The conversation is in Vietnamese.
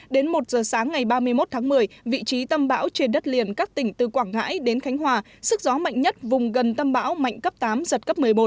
đến một giờ sáng ngày ba mươi một tháng một mươi vị trí tâm bão trên đất liền các tỉnh từ quảng ngãi đến khánh hòa sức gió mạnh nhất vùng gần tâm bão mạnh cấp tám giật cấp một mươi một